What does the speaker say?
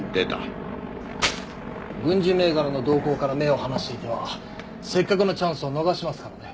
軍事銘柄の動向から目を離していてはせっかくのチャンスを逃しますからね。